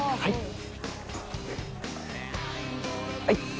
はい